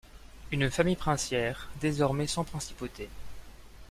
Une famille princière, désormais sans principauté.